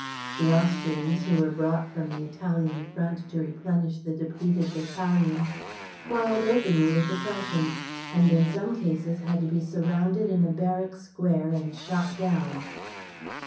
The Austrians who were brought from the Italian front to replenish the depleted battalions, quarrelled openly with the Prussians, and in some cases had to be surrounded in a barrack square and shot down.